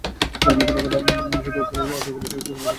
কোন কোন বিষয় টুইট করলে অনুসারী বাড়বে, সেগুলো তিনি শিখতে শুরু করেন।